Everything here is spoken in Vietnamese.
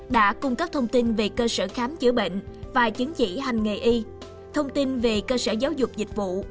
đã cung cấp thông tin về cơ sở khám chữa bệnh và chứng chỉ hành nghề y thông tin về cơ sở giáo dục dịch vụ